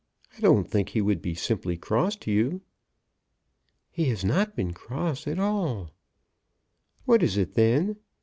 I don't think he would be simply cross to you." "He has not been cross at all." "What is it then?